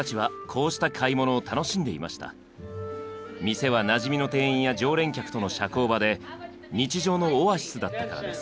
店はなじみの店員や常連客との社交場で日常のオアシスだったからです。